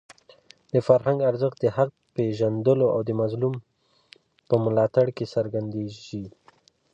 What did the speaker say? د فرهنګ ارزښت د حق په پېژندلو او د مظلوم په ملاتړ کې څرګندېږي.